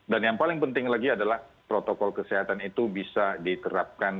dan yang paling penting lagi adalah protokol kesehatan itu bisa diterapkan